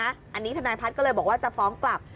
อันนี้ทนายพัฒน์ก็เลยบอกว่าจะฟ้องกลับ